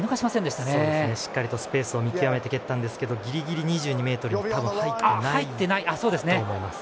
しっかりとスペースを見極めて蹴ったんですがギリギリ２２ｍに入っていないと思います。